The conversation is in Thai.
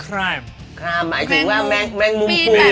ครายหมายถึงว่าแม่งนุมหู